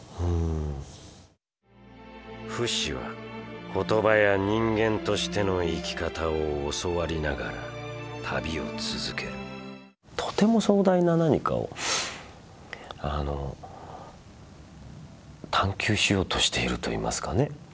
フシは言葉や人間としての生き方を教わりながら旅を続けるとても壮大な何かを探究しようとしていると言いますかね